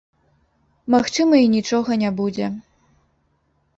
Магчыма, і нічога не будзе.